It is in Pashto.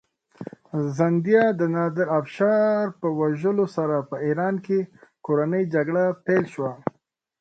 زندیه د نادرافشار په وژلو سره په ایران کې کورنۍ جګړه پیل شوه.